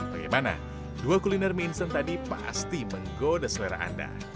bagaimana dua kuliner minson tadi pasti menggoda selera anda